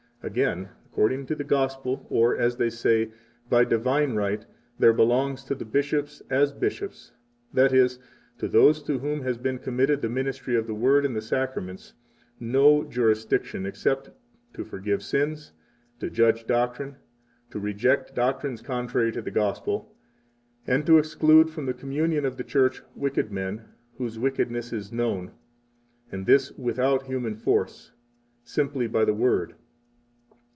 Again, according to the Gospel or, as they say, by divine right, there belongs to the bishops as bishops, that is, to those to whom has been committed the ministry of the Word and the Sacraments, no jurisdiction except to forgive sins, to judge doctrine, to reject doctrines contrary to the Gospel, and to exclude from the communion of the Church wicked men, whose wickedness is known, and this without human force, 22 simply by the Word.